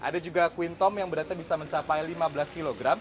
ada juga quintom yang beratnya bisa mencapai lima belas kg